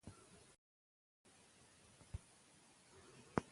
زه به سبا د تفسیر ټولګي ته ولاړ شم.